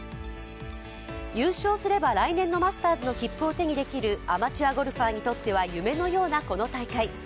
優勝すれば来年のマスターズの切符を手にできるアマチュアゴルファーにとっては夢のようなこの大会。